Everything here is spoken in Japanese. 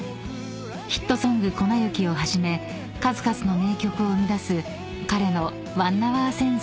［ヒットソング『粉雪』をはじめ数々の名曲を生み出す彼の］